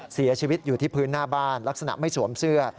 เสียชีวิตอยู่ที่พื้นหน้าบ้านลักษณะไม่สวมเสื้อ